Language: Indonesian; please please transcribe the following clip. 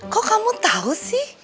kok kamu tau sih